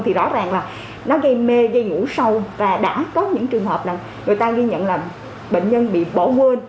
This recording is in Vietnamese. thì rõ ràng là nó gây mê gây ngủ sâu và đã có những trường hợp là người ta ghi nhận là bệnh nhân bị bỏ quên